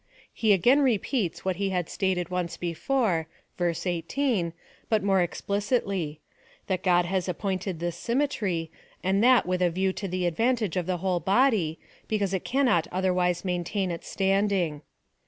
He again repeats, what he had stated once before, (ver. 18,) but more explicitly, — that God has appointed this symmetry, and that with a view to the advantage of the wdiole body, because it cannot otherwise maintain its standing.